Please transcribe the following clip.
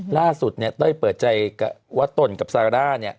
ล่าสุดเต้ยเปิดใจวะตนกับซาร่านี้